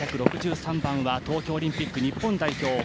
１１６３番は東京オリンピック日本代表